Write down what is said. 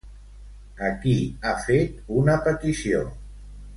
A qui ha fet una petició?